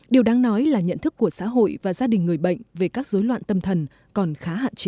điều đáng nói là nhận thức của xã hội và gia đình người bệnh về các dối loạn tâm thần còn khá hạn chế